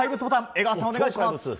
江川さん、お願いします。